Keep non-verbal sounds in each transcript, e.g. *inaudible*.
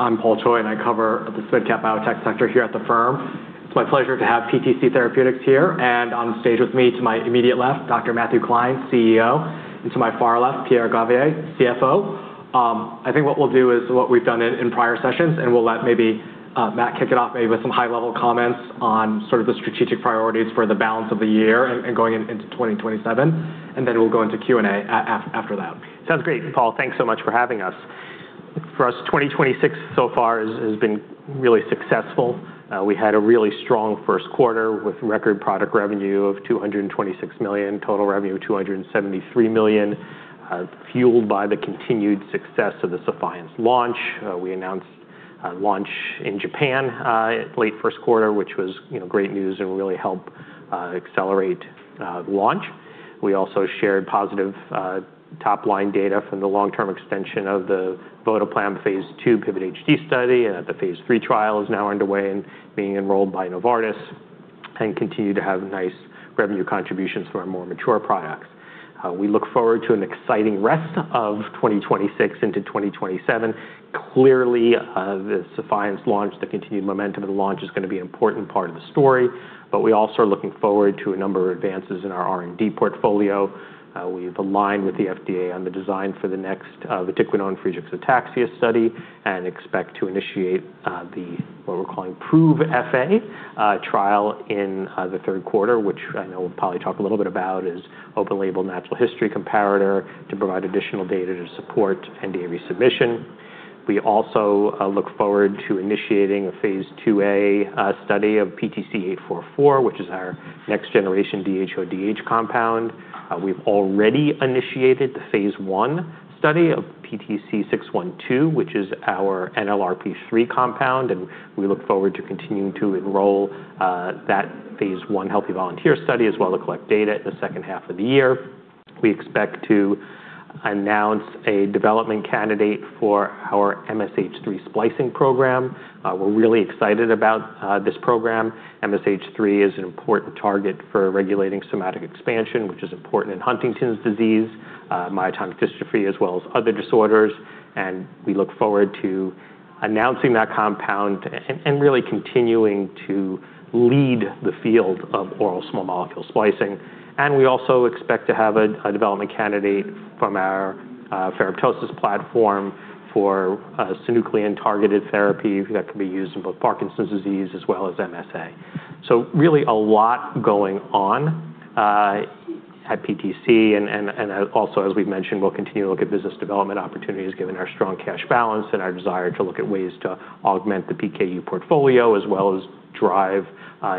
I'm Paul Choi, and I cover the SMid-cap biotech sector here at the firm. It's my pleasure to have PTC Therapeutics here on stage with me, to my immediate left, Dr. Matthew Klein, CEO, and to my far left, Pierre Gravier, CFO. I think what we'll do is what we've done in prior sessions, we'll let Matt kick it off maybe with some high-level comments on sort of the strategic priorities for the balance of the year going into 2027. We'll go into Q&A after that. Sounds great, Paul. Thanks so much for having us. For us, 2026 so far has been really successful. We had a really strong first quarter with record product revenue of $226 million and total revenue of $273 million, fueled by the continued success of the SEPHIENCE launch. We announced a launch in Japan late first quarter, which was great news and really helped accelerate the launch. We also shared positive top-line data from the long-term extension of the votoplam phase II PIVOT-HD study, the phase III trial is now underway and being enrolled by Novartis, and we continue to have nice revenue contributions from our more mature products. We look forward to an exciting rest of 2026 into 2027. Clearly, with the SEPHIENCE launch, the continued momentum of the launch is going to be an important part of the story, we are also looking forward to a number of advances in our R&D portfolio. We've aligned with the FDA on the design for the next vatiquinone Friedreich's ataxia study and expect to initiate the, what we're calling, PROVE-FA trial in the third quarter, which I know we'll probably talk a little bit about. It's an open-label natural history comparator to provide additional data to support NDA resubmission. We also look forward to initiating a phase II-A study of PTC844, which is our next-generation DHODH compound. We've already initiated the phase I study of PTC612, which is our NLRP3 compound, we look forward to continuing to enroll that phase I healthy volunteer study as well to collect data in the second half of the year. We expect to announce a development candidate for our MSH3 splicing program. We're really excited about this program. MSH3 is an important target for regulating somatic expansion, which is important in Huntington's disease and myotonic dystrophy, as well as other disorders. We look forward to announcing that compound and really continuing to lead the field of oral small molecule splicing. We also expect to have a development candidate from our ferroptosis platform for synuclein-targeted therapy that can be used in both Parkinson's disease and MSA. Really a lot going on at PTC, as we've mentioned, we'll continue to look at business development opportunities given our strong cash balance and our desire to look at ways to augment the PKU portfolio as well as drive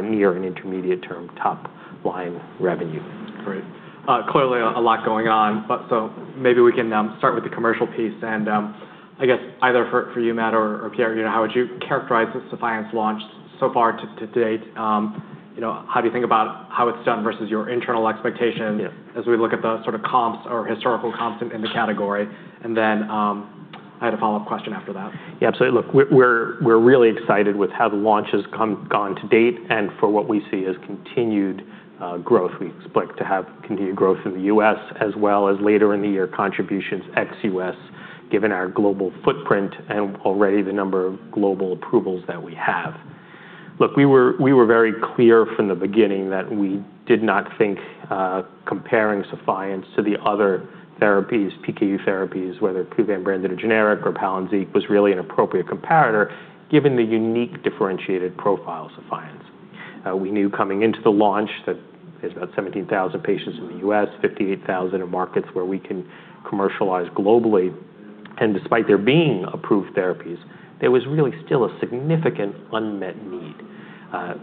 near- and intermediate-term top-line revenue. Great. Clearly a lot going on. Maybe we can start with the commercial piece, and I guess either you, Matt, or Pierre—how would you characterize the SEPHIENCE launch so far to date? How do you think about how it's done versus your internal expectation— Yeah ...as we look at the sort of comps or historical comps in the category? Then I had a follow-up question after that. Yeah, absolutely. Look, we're really excited with how the launch has gone to date and for what we see as continued growth. We expect to have continued growth in the U.S. as well as, later in the year, contributions ex-U.S., given our global footprint and already the number of global approvals that we have. Look, we were very clear from the beginning that we did not think comparing SEPHIENCE to the other PKU therapies, whether it be brand or generic or PALYNZIQ was really an appropriate comparator given the unique differentiated profile of SEPHIENCE. We knew coming into the launch that there were about 17,000 patients in the U.S., 58,000 in markets where we could commercialize globally, and despite there being approved therapies, there was really still a significant unmet need.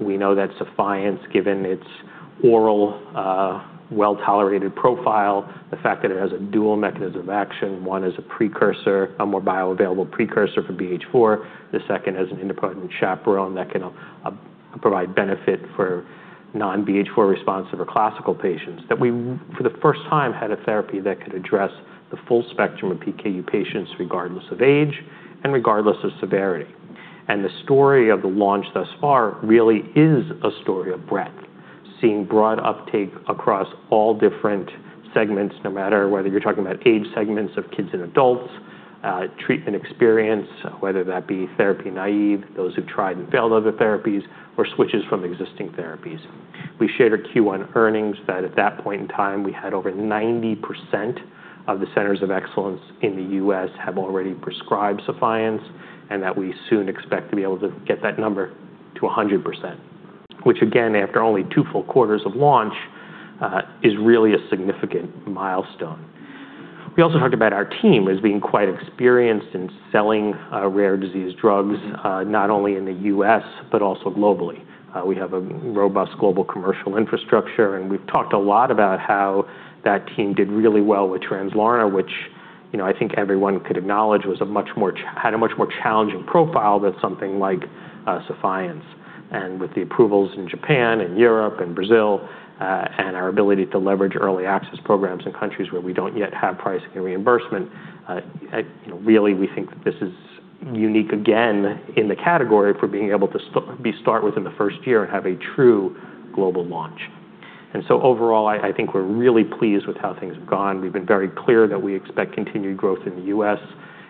We know that SEPHIENCE, given its oral well-tolerated profile and the fact that it has a dual mechanism of action, one being a more bioavailable precursor for BH4, the second being an independent chaperone that can provide benefit for non-BH4 responsive or classical patients, means that for the first time we had a therapy that could address the full spectrum of PKU patients, regardless of age and regardless of severity. The story of the launch thus far really is a story of breadth. Seeing broad uptake across all different segments, no matter whether you're talking about age segments of kids and adults or treatment experience, whether that be therapy naive, those who've tried and failed other therapies, or switches from existing therapies. We shared our Q1 earnings, that at that point in time we had over 90% of the centers of excellence in the U.S. had already prescribed SEPHIENCE, and that we soon expect to be able to get that number to 100%, which again, after only two full quarters of launch, is really a significant milestone. We also talked about our team as being quite experienced in selling rare disease drugs, not only in the U.S. but also globally. We have a robust global commercial infrastructure. We've talked a lot about how that team did really well with Translarna, which I think everyone could acknowledge had a much more challenging profile than something like SEPHIENCE. With the approvals in Japan and Europe and Brazil, our ability to leverage early access programs in countries where we don't yet have pricing and reimbursement—really, we think that this is unique again in the category for being able to start within the first year and have a true global launch. Overall, I think we're really pleased with how things have gone. We've been very clear that we expect continued growth in the U.S.,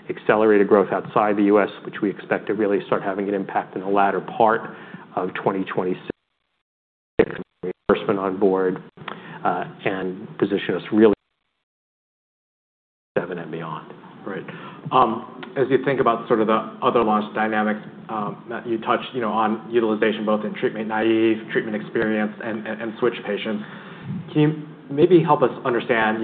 accelerated growth outside the U.S., which we expect to really start having an impact in the latter part of 2026 reimbursement on board, and position us really in *inaudible* and beyond. Right. As you think about sort of the other launch dynamics, Matt, you touched on utilization both in treatment-naive, treatment-experienced, and switch patients. Can you maybe help us understand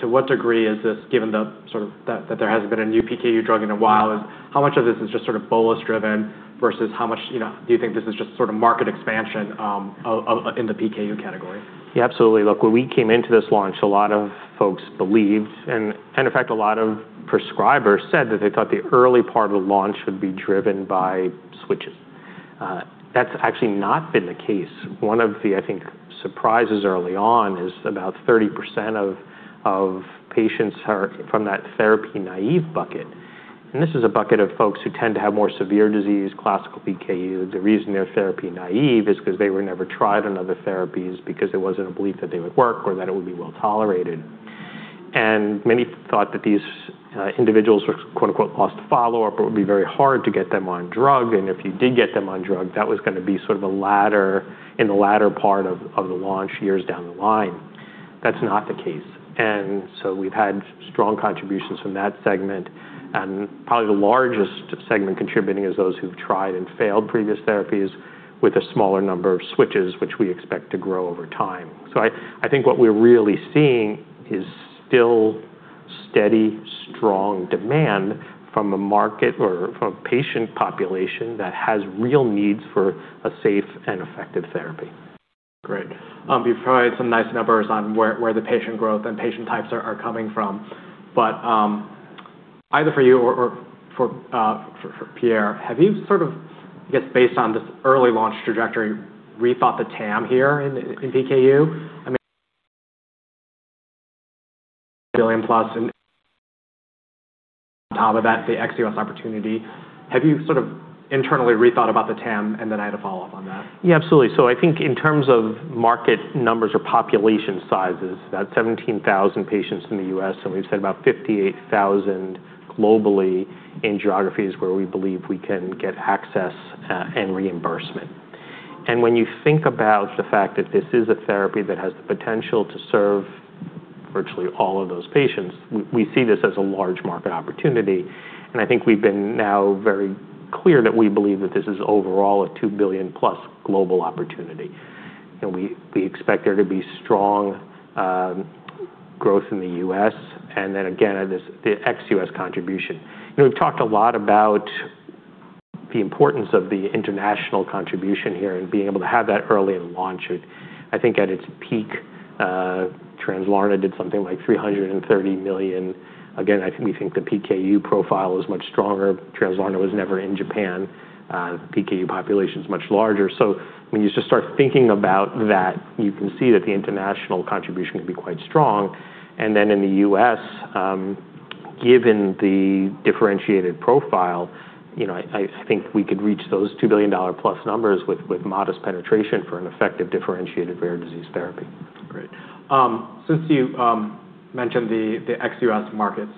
to what degree this is given that there hasn't been a new PKU drug in a while? How much of this is just sort of bolus-driven versus how much do you think this is just sort of market expansion in the PKU category? Yeah, absolutely. Look, when we came into this launch, a lot of folks believed, in fact, a lot of prescribers said that they thought the early part of the launch would be driven by switches. That's actually not been the case. One of the, I think, surprises early on is about 30% of patients are from that therapy-naive bucket. This is a bucket of folks who tend to have more severe disease, classic PKU. The reason they're therapy-naive is because they were never tried on other therapies because there wasn't a belief that they would work or that it would be well-tolerated. Many thought that these individuals were, quote unquote, lost to follow-up, or it would be very hard to get them on drugs. If you did get them on drugs, that was going to be sort of in the latter part of the launch, years down the line. That's not the case. We've had strong contributions from that segment. Probably the largest segment contributing is those who've tried and failed previous therapies with a smaller number of switches, which we expect to grow over time. I think what we're really seeing is still steady, strong demand from a market or from a patient population that has real needs for a safe and effective therapy. Great. You've provided some nice numbers on where the patient growth and patient types are coming from. Either for you or for Pierre, have you sort of, I guess, based on this early launch trajectory, rethought the TAM here in PKU? I mean, $ +1 billion and, on top of that, the ex-U.S. opportunity. Have you sort of internally rethought about the TAM? Then I had a follow-up on that. Yeah, absolutely. I think in terms of market numbers or population sizes, there are about 17,000 patients in the U.S., and we've said there are about 58,000 globally in geographies where we believe we can get access and reimbursement. When you think about the fact that this is a therapy that has the potential to serve virtually all of those patients, we see this as a large market opportunity. I think we've been now very clear that we believe that this is overall a $ +2 billion global opportunity. We expect there to be strong growth in the U.S., then again, the ex-U.S. contribution. We've talked a lot about the importance of the international contribution here and being able to have that early in the launch. I think at its peak, Translarna did something like $330 million. Again, I think we think the PKU profile is much stronger. Translarna was never in Japan. The PKU population is much larger. When you just start thinking about that, you can see that the international contribution can be quite strong. Then in the U.S., given the differentiated profile, I think we could reach those $ +2 billion numbers with modest penetration for an effective differentiated rare disease therapy. That's great. Since you mentioned the ex-U.S. markets,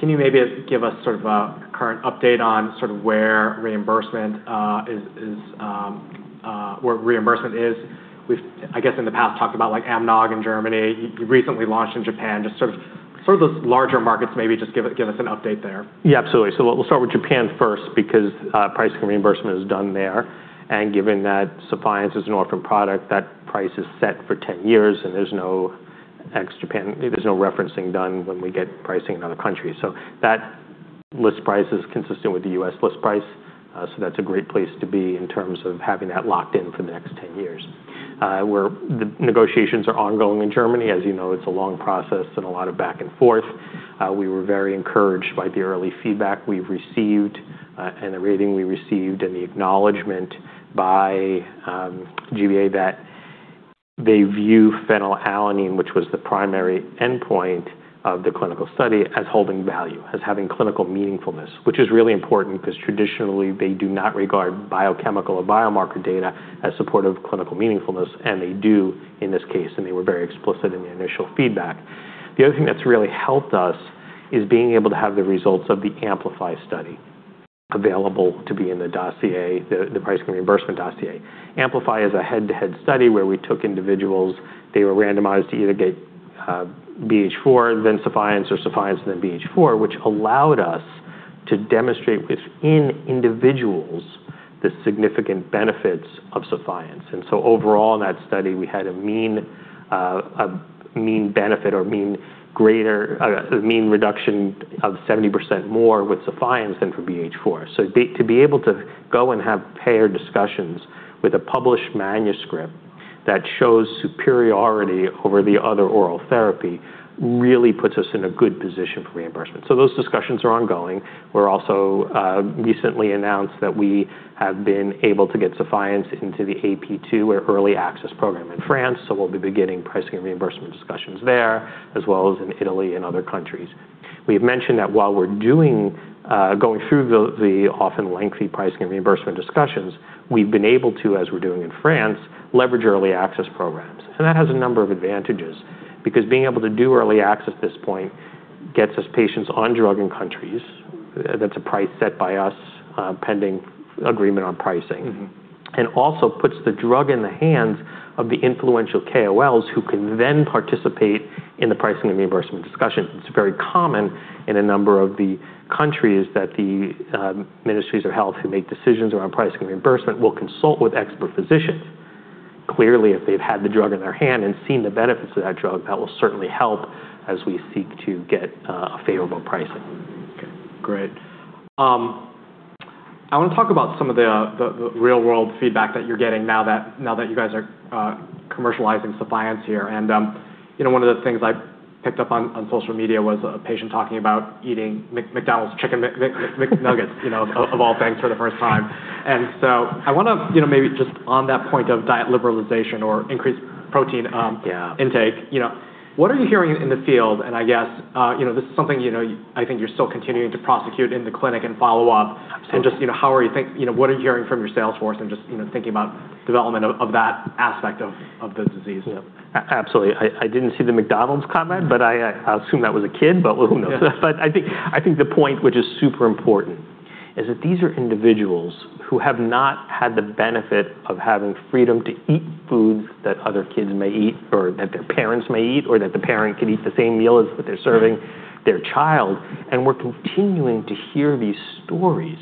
can you maybe give us sort of a current update on sort of where reimbursement is? We've, I guess, in the past talked about like AMNOG in Germany. You recently launched in Japan. Just sort of those larger markets, maybe just give us an update there. Yeah, absolutely. We'll start with Japan first because pricing and reimbursement are done there. Given that SEPHIENCE is an orphan product, that price is set for 10 years, and there's no referencing done when we get pricing in other countries. That list price is consistent with the U.S. list price. That's a great place to be in terms of having that locked in for the next 10 years. The negotiations are ongoing in Germany. As you know, it's a long process and a lot of back and forth. We were very encouraged by the early feedback we've received and the rating we received and the acknowledgment by G-BA that they view phenylalanine, which was the primary endpoint of the clinical study, as holding value and as having clinical meaningfulness, which is really important because traditionally they do not regard biochemical or biomarker data as supportive of clinical meaningfulness, but they do in this case, and they were very explicit in the initial feedback. The other thing that's really helped us is being able to have the results of the AMPLIFY study available to be in the dossier, the pricing reimbursement dossier. AMPLIFY is a head-to-head study where we took individuals, they were randomized to either get BH4, then SEPHIENCE, or SEPHIENCE, then BH4, which allowed us to demonstrate within individuals the significant benefits of SEPHIENCE. Overall in that study, we had a mean benefit or a mean reduction of 70% more with SEPHIENCE than for BH4. To be able to go and have payer discussions with a published manuscript that shows superiority over the other oral therapy really puts us in a good position for reimbursement. Those discussions are ongoing. We're also recently announcing that we have been able to get SEPHIENCE into the AP2 or early access program, in France. We'll be beginning pricing and reimbursement discussions there, as well as in Italy and other countries. We've mentioned that while we're going through the often lengthy pricing and reimbursement discussions, we've been able to, as we're doing in France, leverage early access programs. That has a number of advantages, because being able to do early access at this point gets us patients on drugs in countries. That's a price set by us, pending agreement on pricing. Also puts the drug in the hands of the influential KOLs who can then participate in the pricing and reimbursement discussions. It's very common in a number of the countries that the ministries of health who make decisions around pricing and reimbursement will consult with expert physicians. Clearly, if they've had the drug in their hand and seen the benefits of that drug, that will certainly help as we seek to get favorable pricing. Okay, great. I want to talk about some of the real-world feedback that you're getting now that you guys are commercializing SEPHIENCE here. One of the things I picked up on social media was a patient talking about eating McDonald's Chicken McNuggets—of all things—for the first time. I want to maybe just on that point of diet liberalization or increased protein— Yeah ...intake. What are you hearing in the field? I guess this is something I think you're still continuing to prosecute in the clinic and follow up on. Absolutely. Just what are you hearing from your sales force, and are you just thinking about the development of that aspect of the disease? Yeah. Absolutely. I didn't see the McDonald's comment, but I assume that was a kid, but who knows? Yeah. I think the point that is super important is that these are individuals who have not had the benefit of having freedom to eat foods that other kids may eat or that their parents may eat, or that the parent could eat the same meal as what they're serving their child. We're continuing to hear these stories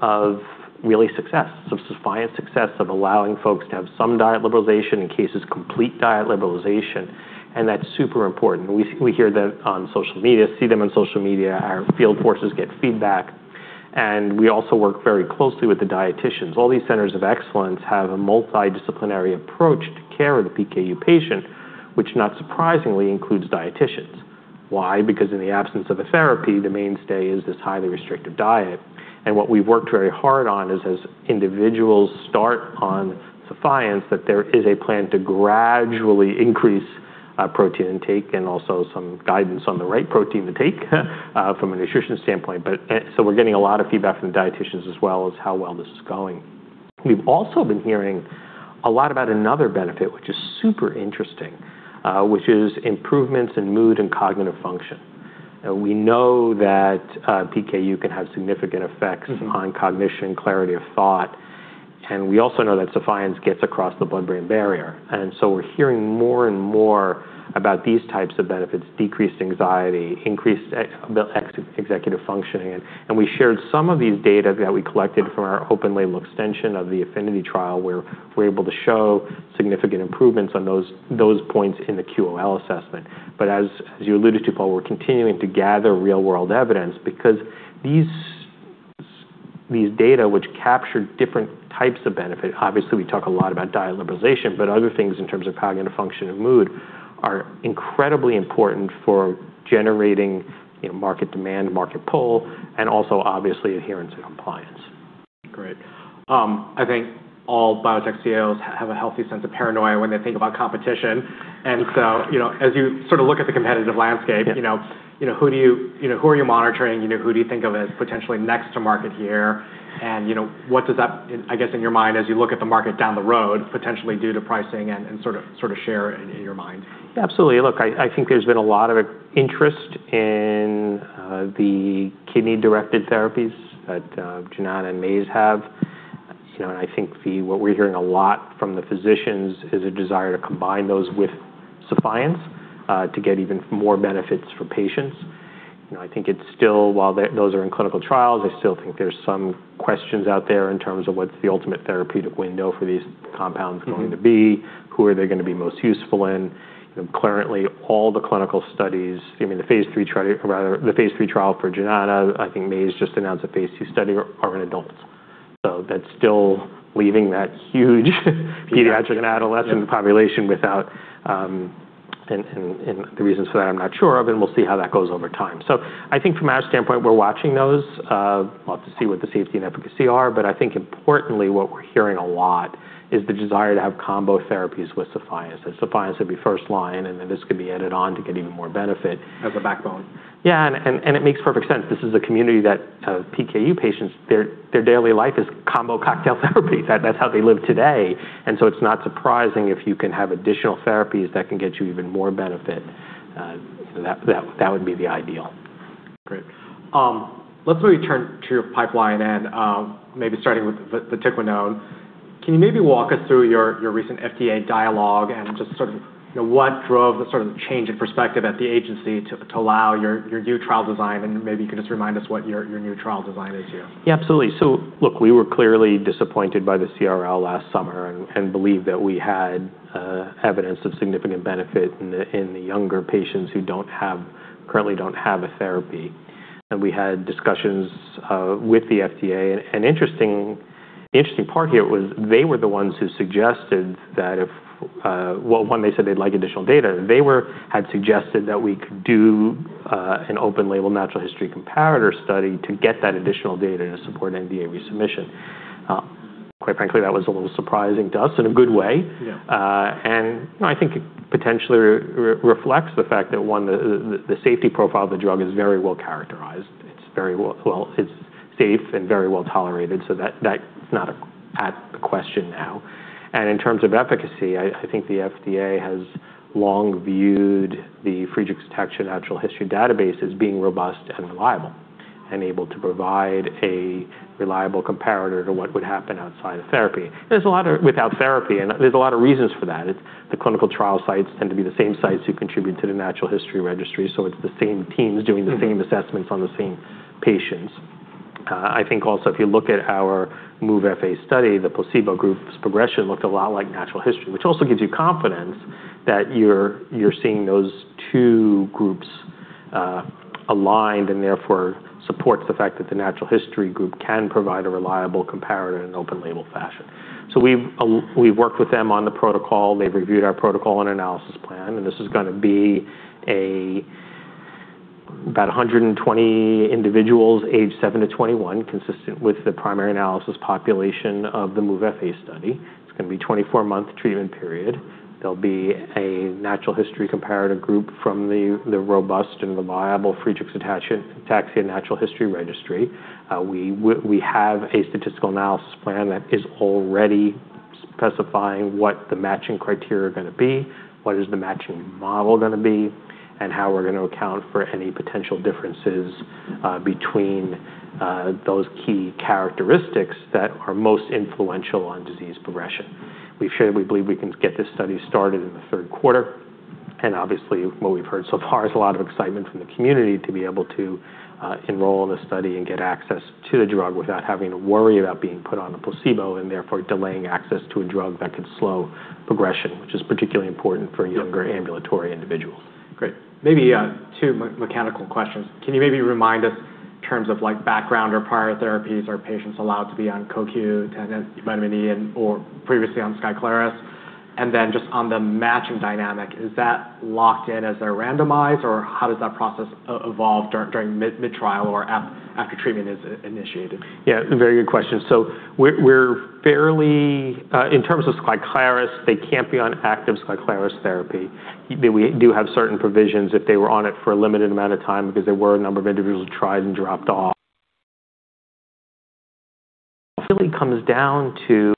of real success, of SEPHIENCE success, of allowing folks to have some diet liberalization, and, in some cases, complete diet liberalization, and that's super important. We hear them on social media, see them on social media, and our field forces get feedback, and we also work very closely with the dietitians. All these centers of excellence have a multidisciplinary approach to the care of the PKU patient, which, not surprisingly, includes dieticians. Why? Because in the absence of a therapy, the mainstay is this highly restrictive diet. What we've worked very hard on is, as individuals start on SEPHIENCE, that there is a plan to gradually increase protein intake and also some guidance on the right protein to take from a nutrition standpoint. We're getting a lot of feedback from dieticians as well as how well this is going. We've also been hearing a lot about another benefit, which is super interesting, which is improvements in mood and cognitive function. We know that PKU can have significant effects on cognition, clarity of thought. We also know that SEPHIENCE gets across the blood-brain barrier. We're hearing more and more about these types of benefits, decreased anxiety and increased executive functioning. We shared some of these data that we collected from our open-label extension of the AFFINITY trial, where we're able to show significant improvements on those points in the QOL assessment. As you alluded to, Paul, we're continuing to gather real-world evidence because this data captures different types of benefits; obviously, we talk a lot about diet liberalization, but other things in terms of cognitive function and mood are incredibly important for generating market demand and market pull and also, obviously, adherence and compliance. Great. I think all biotech CEOs have a healthy sense of paranoia when they think about competition. As you look at the competitive landscape. Yeah Who are you monitoring, who do you think of as potentially next to market here? What does that, I guess, in your mind, as you look at the market down the road, potentially do to pricing and share in your mind? Yeah, absolutely. Look, I think there's been a lot of interest in the kidney-directed therapies that Genya Dana and Maze have. I think what we're hearing a lot from the physicians is a desire to combine those with SEPHIENCE to get even more benefits for patients. I think it's still, while those are in clinical trials, I still think there are some questions out there in terms of what the ultimate therapeutic window for these compounds is going to be. Who are they going to be most useful in? Currently, all the clinical studies, including the phase III trial for SEPHIENCE, and I think Maze Therapeutics just announced a phase II study, are in adults. That's still leaving that huge pediatric— Yeah ...and adolescent population without. The reasons for that, I'm not sure of, we'll see how that goes over time. I think from our standpoint, we're watching those, well, to see what the safety and efficacy are, but I think importantly, what we're hearing a lot is the desire to have combo therapies with SEPHIENCE, that SEPHIENCE would be first line, this could be added on to get even more benefit. As a backbone. Yeah, it makes perfect sense. This is a community for PKU patients, their daily life is a combo cocktail of therapies. That's how they live today. It's not surprising if you can have additional therapies that can get you even more benefit. That would be the ideal. Great. Let's maybe turn to your pipeline and maybe start with the vatiquinone. Can you maybe walk us through your recent FDA dialogue and just sort of what drove the change in perspective at the agency to allow your new trial design, and maybe you could just remind us what your new trial design is here? Yeah, absolutely. Look, we were clearly disappointed by the CRL last summer and believed that we had evidence of significant benefit in the younger patients who currently don't have a therapy. We had discussions with the FDA. An interesting part here was they were the ones who suggested that if Well, one, they said they'd like additional data. They had suggested that we could do an open-label natural history comparator study to get that additional data to support NDA resubmission. Quite frankly, that was a little surprising to us in a good way. Yeah. I think it potentially reflects the fact that one, the safety profile of the drug is very well characterized. It's safe and very well tolerated, so that's not in question now. In terms of efficacy, I think the FDA has long viewed the Friedreich's ataxia natural history database as being robust and reliable and able to provide a reliable comparator to what would happen without therapy. There are a lot of reasons for that. The clinical trial sites tend to be the same sites who contribute to the natural history registry, so it's the same teams doing the same assessments on the same patients. I think also, if you look at our MOVE-FA study, the placebo group's progression looked a lot like natural history, which also gives you confidence that you're seeing those two groups aligned and therefore supports the fact that the natural history group can provide a reliable comparator in an open-label fashion. We've worked with them on the protocol. They've reviewed our protocol and analysis plan. This is going to be about 120 individuals aged seven to 21, consistent with the primary analysis population of the MOVE-FA study. It's going to be a 24-month treatment period. There'll be a natural history comparator group from the robust and reliable Friedreich's ataxia natural history registry. We have a statistical analysis plan that is already specifying what the matching criteria are going to be, what is the matching model going to be, and how we're going to account for any potential differences between those key characteristics that are most influential on disease progression. We believe we can get this study started in the third quarter. Obviously what we've heard so far is a lot of excitement from the community to be able to enroll in a study and get access to a drug without having to worry about being put on a placebo and therefore delaying access to a drug that could slow progression, which is particularly important for younger ambulatory individuals. Great. Maybe two mechanical questions. Can you maybe remind us in terms of background or prior therapies, are patients allowed to be on CoQ10, vitamin E, or previously on SKYCLARYS? Then just on the matching dynamic, is that locked in as they're randomized, or how does that process evolve during mid-trial or after treatment is initiated? Yeah, very good question. In terms of SKYCLARYS, they can't be on active SKYCLARYS therapy. We do have certain provisions if they were on it for a limited amount of time because there were a number of individuals who tried and dropped off. It really comes down to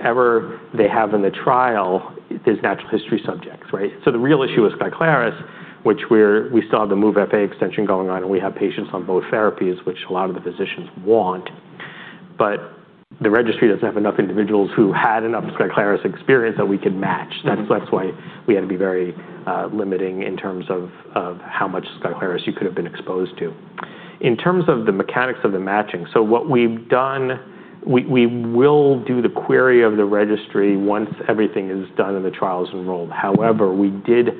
whatever they have in the trial is natural history subjects, right? The real issue with SKYCLARYS, which we still have the MOVE-FA extension going on, and we have patients on both therapies, which a lot of the physicians want. The registry doesn't have enough individuals who had enough SKYCLARYS experience that we could match. That's why we had to be very limiting in terms of how much SKYCLARYS you could have been exposed to. In terms of the mechanics of the matching, what we've done is we will do the query of the registry once everything is done and the trial is enrolled. However, we did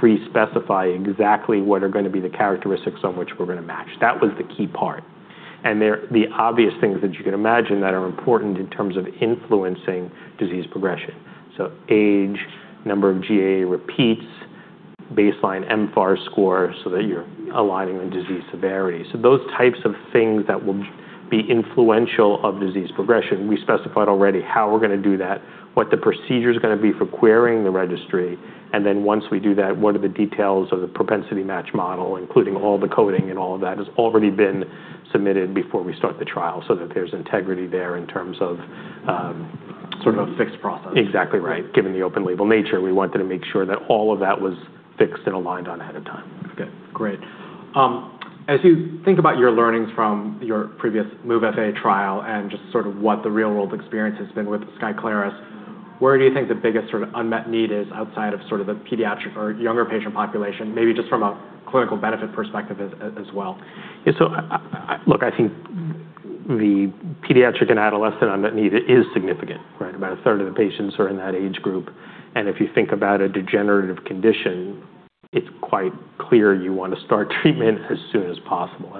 pre-specify exactly what are going to be the characteristics on which we're going to match. That was the key part. The obvious things that you can imagine that are important in terms of influencing disease progression. Age, number of GAA repeats, baseline mFARS score so that you're aligning on disease severity. Those types of things will be influential in disease progression. We specified already how we're going to do that, what the procedure's going to be for querying the registry, and then once we do that, what are the details of the propensity match model, including all the coding and all of that, has already been submitted before we start the trial so that there's integrity there. Sort of a fixed process. Exactly right. Given the open-label nature, we wanted to make sure that all of that was fixed and aligned ahead of time. Good. Great. As you think about your learnings from your previous MOVE-FA trial and just sort of what the real-world experience has been with SKYCLARYS, where do you think the biggest unmet need is outside of sort of the pediatric or younger patient population? Maybe just from a clinical benefit perspective as well. Yeah, I think the pediatric and adolescent unmet need is significant, right? About a third of the patients are in that age group. If you think about a degenerative condition, it's quite clear you want to start treatment as soon as possible.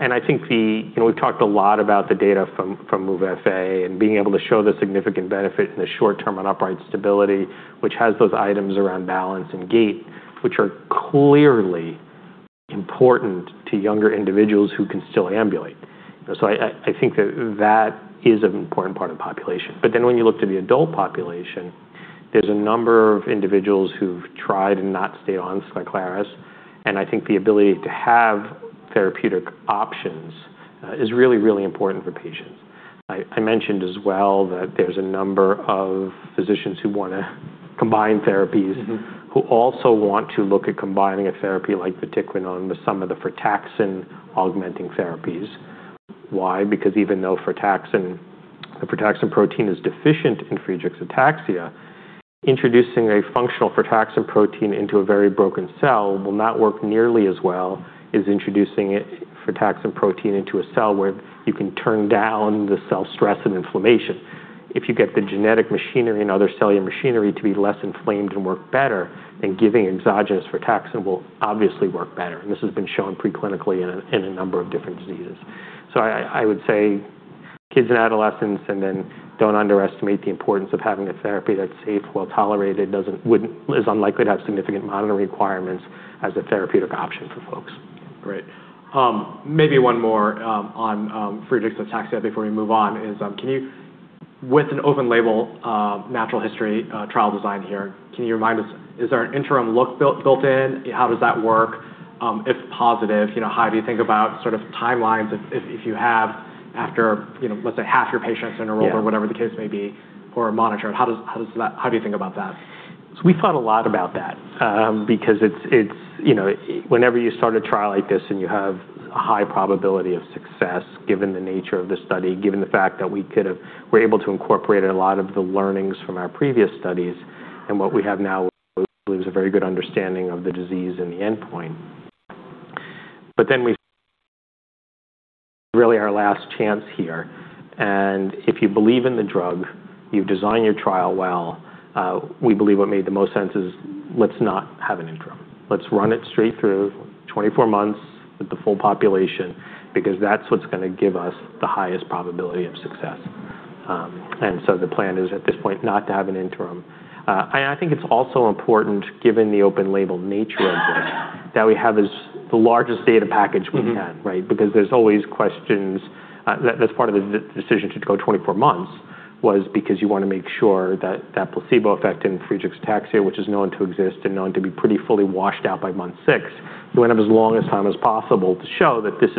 I think we've talked a lot about the data from MOVE-FA and being able to show the significant benefit in the short term on upright stability, which has those items around balance and gait, which are clearly important to younger individuals who can still ambulate. I think that is an important part of the population. When you look to the adult population, there are a number of individuals who've tried and not stayed on SKYCLARYS, and I think the ability to have therapeutic options is really, really important for patients. I mentioned as well that there are a number of physicians who want to combine therapies and who also want to look at combining a therapy like vatiquinone with some of the frataxin-augmenting therapies. Why? Because even though the frataxin protein is deficient in Friedreich's ataxia, introducing a functional frataxin protein into a very broken cell will not work nearly as well as introducing a frataxin protein into a cell where you can turn down the cell stress and inflammation. If you get the genetic machinery and other cellular machinery to be less inflamed and work better, giving exogenous frataxin will obviously work better. This has been shown pre-clinically in a number of different diseases. I would say kids and adolescents, don't underestimate the importance of having a therapy that's safe and well-tolerated and is unlikely to have significant monitoring requirements as a therapeutic option for folks. Great. Maybe one more on Friedreich's ataxia before we move on is, with an open-label natural history trial design here, can you remind us if there is an interim look built in? How does that work? If positive, how do you think about timelines if you have after, let's say, half your patients enrolled? Yeah Whatever the case may be, for those who are monitored, how do you think about that? We thought a lot about that. Whenever you start a trial like this, you have a high probability of success, given the nature of the study and given the fact that we were able to incorporate a lot of the learnings from our previous studies, what we have now is a very good understanding of the disease and the endpoint. Really, our last chance here, if you believe in the drug, you've designed your trial well, we believe what made the most sense is let's not have an interim. Let's run it straight through 24 months with the full population, because that's what's going to give us the highest probability of success. The plan is, at this point, not to have an interim. I think it's also important, given the open-label nature of this, that we have the largest data package we can. Right. There are always questions. That's part of the decision to go 24 months: you want to make sure that that placebo effect in Friedreich's ataxia, which is known to exist and known to be pretty fully washed out by month six, you want to have as long a time as possible to show that this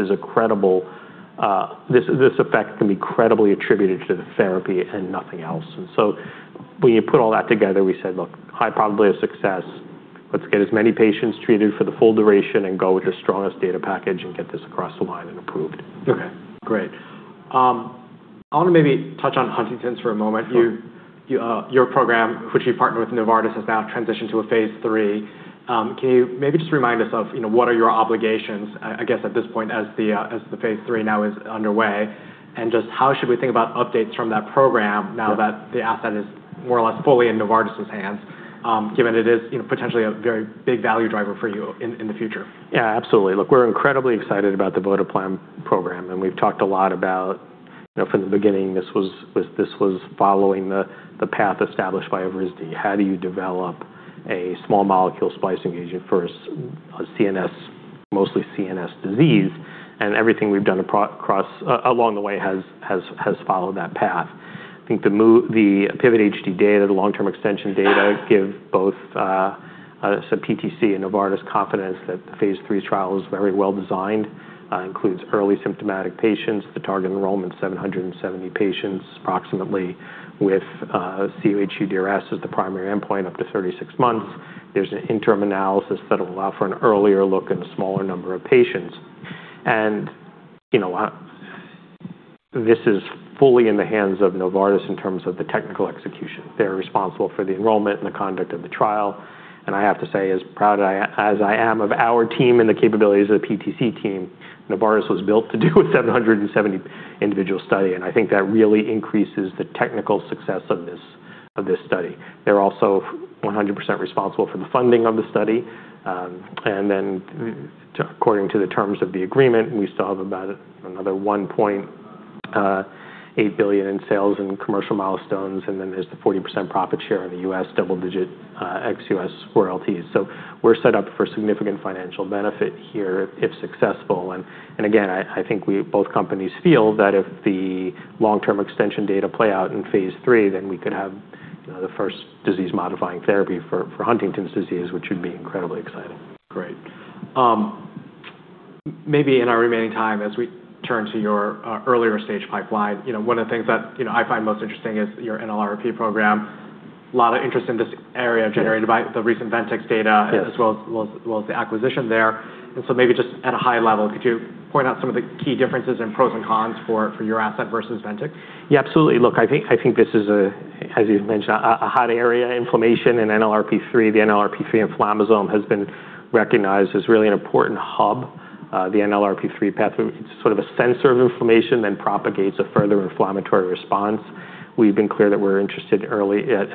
effect can be credibly attributed to the therapy and nothing else. When you put all that together, we said, look, high probability of success. Let's get as many patients treated for the full duration and go with the strongest data package and get this across the line and approved. Okay, great. I want to maybe touch on Huntington's for a moment. Sure. Your program, which you've partnered with Novartis, has now transitioned to a phase III. Can you maybe just remind us of what are your obligations, I guess, at this point as the phase III now is underway? Just how should we think about updates from that program now that the asset is more or less fully in Novartis' hands, given it is potentially a very big value driver for you in the future? Yeah, absolutely. Look, we're incredibly excited about the votoplam program. We've talked a lot about it from the beginning, this was following the path established by VYVGART. How do you develop a small molecule splicing agent for a mostly CNS disease? Everything we've done along the way has followed that path. I think the PIVOT-HD data and the long-term extension data give both PTC and Novartis confidence that the phase III trial is very well designed. Includes early symptomatic patients, the target enrollment is 770 patients, approximately, with cUHDRS as the primary endpoint up to 36 months. There's an interim analysis that'll allow for an earlier look at a smaller number of patients. This is fully in the hands of Novartis in terms of the technical execution. They're responsible for the enrollment and the conduct of the trial. I have to say, as proud as I am of our team and the capabilities of the PTC team, Novartis was built to do a 770 individual study. I think that really increases the technical success of this study. They're also 100% responsible for the funding of the study. According to the terms of the agreement, we still have about another $1.8 billion in sales and commercial milestones. Then there's the 40% profit share in the U.S. double-digit ex-U.S. royalties. We're set up for significant financial benefit here if successful. Again, I think both companies feel that if the long-term extension data play out in phase III, then we could have the first disease-modifying therapy for Huntington's disease, which would be incredibly exciting. Great. Maybe in our remaining time, as we turn to your earlier stage pipeline, one of the things that I find most interesting is your NLRP3 program. A lot of interest in this area generated by the recent Vertex data. Yes As well as the acquisition there. So maybe just at a high level, could you point out some of the key differences and pros and cons for your asset versus Vertex? Yeah, absolutely. Look, I think this is, as you mentioned, a hot area, inflammation and NLRP3. The NLRP3 inflammasome has been recognized as truly an important hub. The NLRP3 pathway, it's sort of a sensor of inflammation, then propagates a further inflammatory response. We've been clear that we're interested early at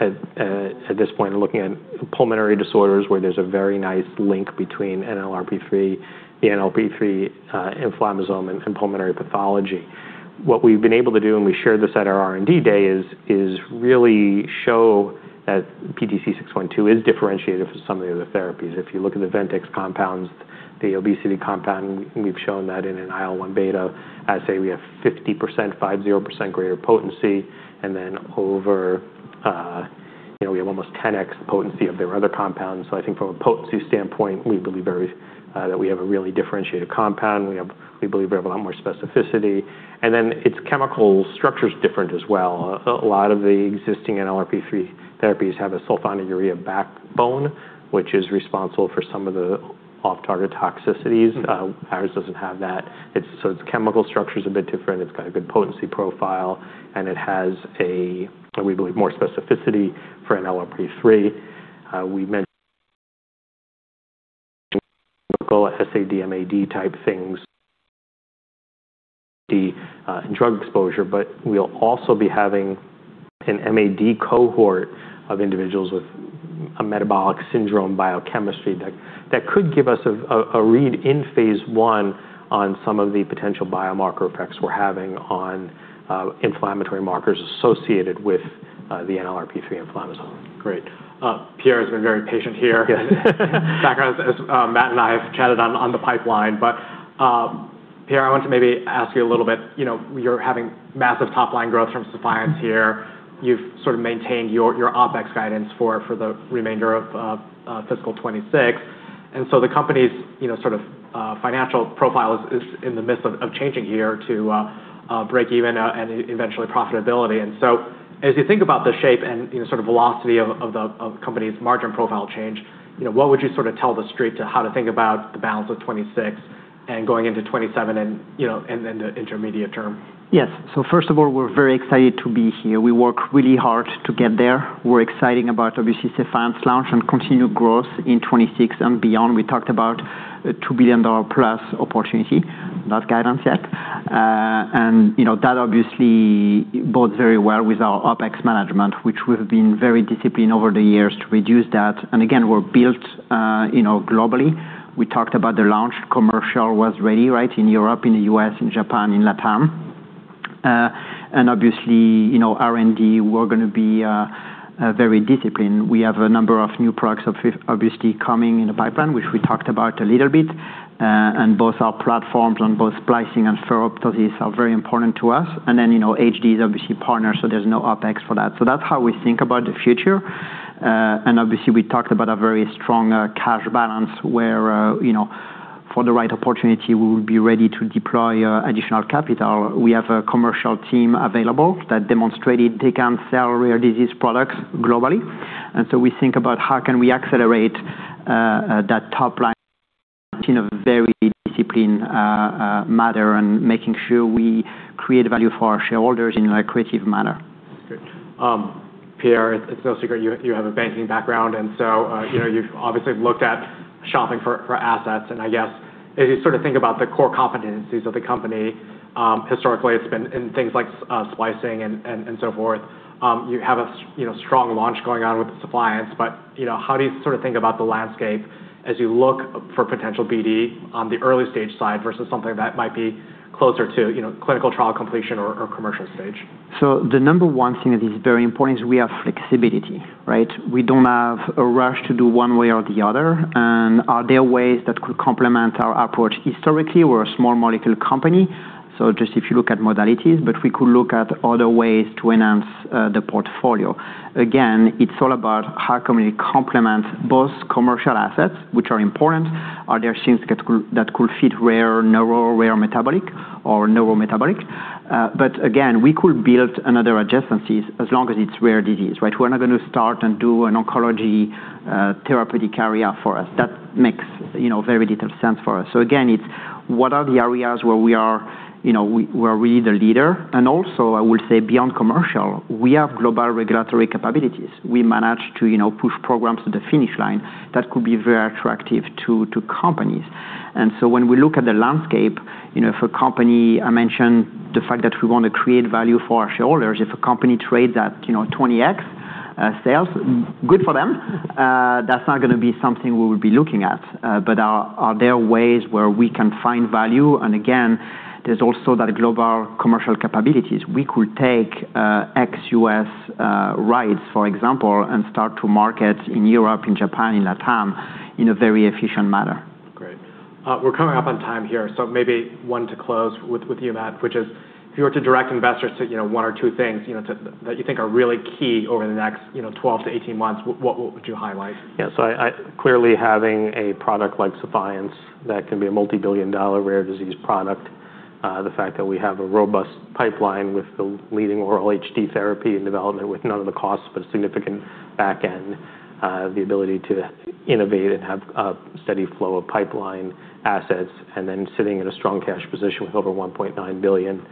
this point in looking at pulmonary disorders where there's a very nice link between NLRP3, the NLRP3 inflammasome, and pulmonary pathology. What we've been able to do, and we shared this at our R&D day, is really show that PTC612 is differentiated from some of the other therapies. If you look at the Vertex compounds, the obesity compound, we've shown that in an IL-1 beta, I'd say we have 50%, 50% greater potency, and then over, we have almost 10x the potency of their other compounds. I think from a potency standpoint, we believe that we have a really differentiated compound, and we believe we have a lot more specificity. Then its chemical structure's different as well. A lot of the existing NLRP3 therapies have a sulfonylurea backbone, which is responsible for some of the off-target toxicities. Ours doesn't have that. Its chemical structure's a bit different. It's got a good potency profile, and it has, we believe, more specificity for NLRP3. We mentioned SAD/MAD type things, the drug exposure, but we'll also be having an MAD cohort of individuals with a metabolic syndrome biochemistry that could give us a read in Phase I on some of the potential biomarker effects we're having on inflammatory markers associated with the NLRP3 inflammasome. Great. Pierre has been very patient here. As Matt and I have chatted on the pipeline, Pierre, I want to maybe ask you a little bit, you're having massive top-line growth from SEPHIENCE here. You've sort of maintained your OPEX guidance for the remainder of fiscal 2026, the company's sort of financial profile is in the midst of changing here to break even and eventually profitability. As you think about the shape and sort of velocity of the company's margin profile change, what would you sort of tell The Street to how to think about the balance of 2026 and going into 2027 and then the intermediate term? Yes. First of all, we're very excited to be here. We worked really hard to get there. We're excited about, obviously, SEPHIENCE launch and continued growth in 2026 and beyond. We talked about a $ +2 billion opportunity, not guidance yet. That obviously bodes very well with our OPEX management, which we've been very disciplined over the years to reduce. Again, we're built globally. We talked about the launch, the commercial was ready right in Europe, in the U.S., in Japan, and in LATAM. Obviously, R&D, we're going to be very disciplined. We have a number of new products obviously coming in the pipeline, which we talked about a little bit. Both our platforms on both splicing and ferroptosis are very important to us. HD is obviously partnered, so there's no OPEX for that. That's how we think about the future. Obviously, we talked about a very strong cash balance where, for the right opportunity, we will be ready to deploy additional capital. We have a commercial team available that has demonstrated they can sell rare disease products globally. We think about how we can accelerate that top line in a very disciplined manner and make sure we create value for our shareholders in a creative manner. Great. Pierre, it's no secret you have a banking background, you've obviously looked at shopping for assets, and I guess as you sort of think about the core competencies of the company, historically it's been in things like splicing and so forth. You have a strong launch going on with the SEPHIENCE, how do you sort about the landscape as you look for potential BD on the early stage side versus something that might be closer to clinical trial completion or commercial stage? The number one thing that is very important is we have flexibility, right? We don't have a rush to do one way or the other, are there ways that could complement our approach? Historically, we're a small molecule company, just if you look at modalities, we could look at other ways to enhance the portfolio. Again, it's all about how we can complement both commercial assets, which are important. Are there things that could fit rare neuro, rare metabolic, or neurometabolic? Again, we could build another adjacency as long as it's a rare disease, right? We're not going to start and do an oncology therapeutic area for us. That makes very little sense for us. Again, what are the areas where we are really the leader? Also, I will say beyond commercial, we have global regulatory capabilities. We manage to push programs to the finish line that could be very attractive to companies. When we look at the landscape, if a company, I mentioned the fact that we want to create value for our shareholders, if a company trades at 20x sales, good for them. That's not going to be something we would be looking at. Are there ways where we can find value? Again, there's also that global commercial capability. We could take ex-U.S. rights, for example, and start to market in Europe, in Japan, and in LATAM, in a very efficient manner. Great. We're coming up on time here, maybe one to close with you, Matt, which is if you were to direct investors to one or two things that you think are really key over the next 12 to 18 months, what would you highlight? Clearly having a product like SEPHIENCE that can be a multi-billion dollar rare disease product. The fact that we have a robust pipeline with the leading oral HD therapy and development with none of the cost, a significant back end. The ability to innovate and have a steady flow of pipeline assets sitting in a strong cash position with over $1.9 billion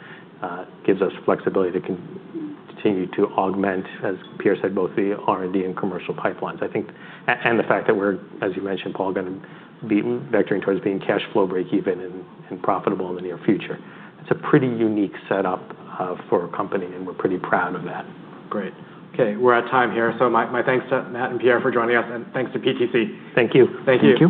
gives us flexibility to continue to augment, as Pierre said, both the R&D and commercial pipelines. The fact that we're, as you mentioned, Paul, going to be vectoring towards being cash flow breakeven and profitable in the near future. It's a pretty unique setup for a company, we're pretty proud of that. Great. Okay, we're at time here. My thanks to Matt and Pierre for joining us, and thanks to PTC. Thank you. Thank you.